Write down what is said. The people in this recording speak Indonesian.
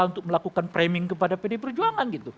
untuk melakukan priming kepada pdi perjuangan gitu